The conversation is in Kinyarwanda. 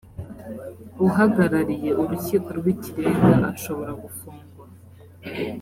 uhagarariye urukiko rw ikirenga ashobora gufungwa